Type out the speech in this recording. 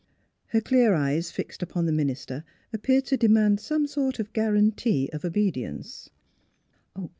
Her clear eyes fixed upon the minister ap peared to demand some sort of guarantee of obedience.